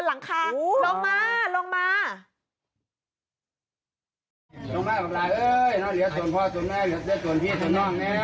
ลงมาก็ลาเอ้ยน้องเหลือส่วนพ่อส่วนแม่เหลือส่วนพี่ส่วนน้องเนี่ย